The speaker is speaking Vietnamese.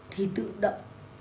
thì tự động